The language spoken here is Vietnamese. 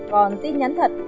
còn tin nhắn thật